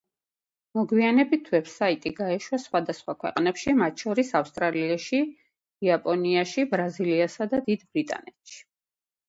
მოგვიანებით ვებსაიტი გაეშვა სხვადასხვა ქვეყნებში, მათ შორის ავსტრალიაში, იაპონიაში, ბრაზილიასა და დიდ ბრიტანეთში.